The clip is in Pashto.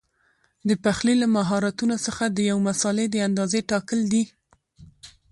د پخلي له مهارتونو څخه یو د مسالې د اندازې ټاکل دي.